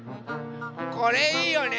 これいいよね。